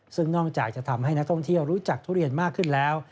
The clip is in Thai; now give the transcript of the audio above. ซึ่งนอกจากจะทำให้นักท่องเที่ยวรู้จักทุเรียนมากขึ้นแล้ว